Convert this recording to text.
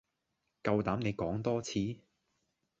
夠膽你講多次